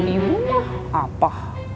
ibu mah apa